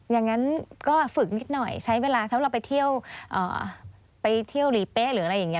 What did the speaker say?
อย่างนั้นก็ฝึกนิดหน่อยใช้เวลาถ้าเราไปเที่ยวไปเที่ยวหลีเป๊ะหรืออะไรอย่างนี้